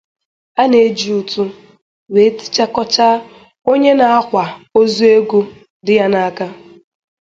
A na-eji ụtụ wee tichakọchaa onye na-akwa ozu ego dị ya n'aka